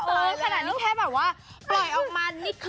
ขนาดนี้แค่แบบว่าปล่อยออกมานิดค่ะ